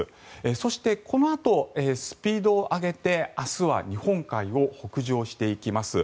そして、このあとスピードを上げて明日は日本海を北上していきます。